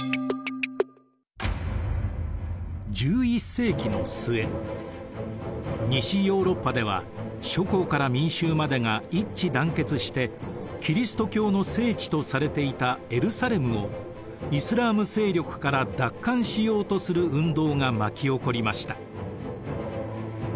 １１世紀の末西ヨーロッパでは諸侯から民衆までが一致団結してキリスト教の聖地とされていたエルサレムをイスラーム勢力から奪還しようとする運動が巻き起こりました。